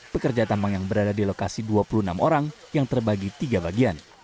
pekerja tambang yang berada di lokasi dua puluh enam orang yang terbagi tiga bagian